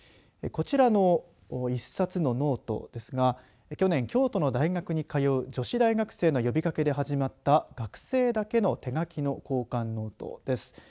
こちらの１冊のノートですが去年、京都の大学に通う女子大学生の呼びかけで始まった学生だけの手書きの交換ノートです。